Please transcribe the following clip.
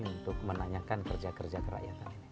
untuk menanyakan kerja kerja kerakyat kami